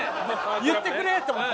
「言ってくれ！」と思って。